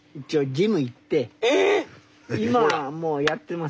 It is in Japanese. ジム行ってはる。